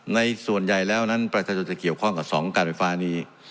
ในส่วนใหญ่แล้วนั้นประชาชนจะเกี่ยวข้องกับ๒การไฟฟ้านี้